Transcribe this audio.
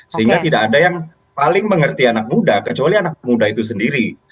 sehingga tidak ada yang paling mengerti anak muda kecuali anak muda itu sendiri